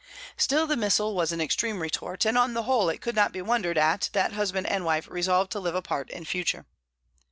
Still, the missile was an extreme retort, and on the whole it could not be wondered at that husband and wife resolved to live apart in future.